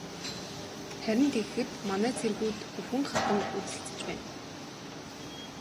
Харин тэгэхэд манай цэргүүд үхэн хатан үзэлцэж байна.